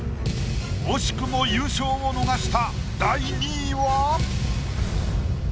惜しくも優勝を逃した。